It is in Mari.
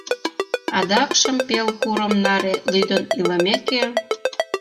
Адакшым пел курым наре лӱдын илымеке.